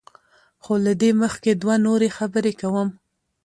خو له دې مخکې دوه نورې خبرې کوم.